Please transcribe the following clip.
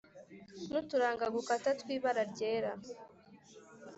n'uturanga gukata tw'ibara ryera.